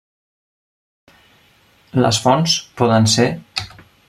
Les fonts poden ser: